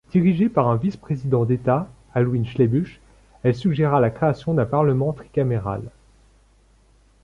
Dirigée par un Vice-Président d’Etat, Alwyn Schlebusch, elle suggéra la création d'un parlement tricaméral.